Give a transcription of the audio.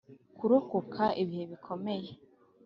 kurokoka ibihe bikomeye.